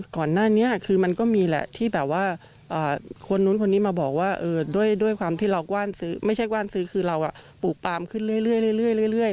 ก่อนหน้านี้คือมันก็มีแหละที่แบบว่าคนนู้นคนนี้มาบอกว่าด้วยความที่เราไม่ใช่กว้านซื้อคือเราปลูกปลามขึ้นเรื่อย